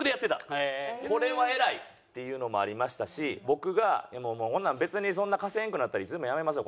これは偉い！っていうのもありましたし僕がもうこんなん別にそんな稼げんくなったらいつでもやめますよ